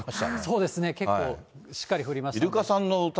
そうですね、結構しっかり降りましたね。